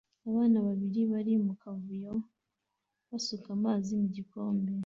Abana babiri bari mu kavuyo basuka amazi mu gikombe